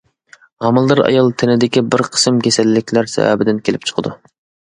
ھامىلىدار ئايال تېنىدىكى بىر قىسىم كېسەللىكلەر سەۋەبىدىن كېلىپ چىقىدۇ.